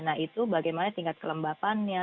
nah itu bagaimana tingkat kelembapannya